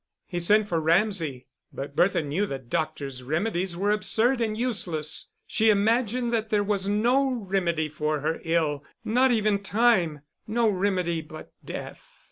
He sent for Ramsay, but Bertha knew the doctor's remedies were absurd and useless. She imagined that there was no remedy for her ill not even time no remedy but death.